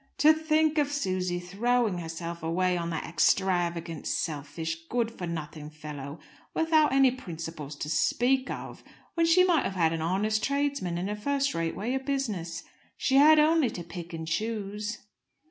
"To think of Susy throwing herself away on that extravagant, selfish, good for nothing fellow without any principles to speak of, when she might have had an honest tradesman in a first rate way of business! She had only to pick and choose."